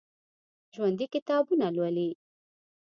ژوندي کتابونه لولي